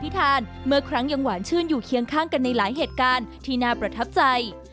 เมื่อครั้งยังหวานชื่นอยู่เคียงข้างกันในหลายเหตุการณ์ที่น่าประทับใจ